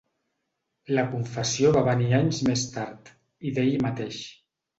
La confessió va venir anys més tard, i d'ell mateix.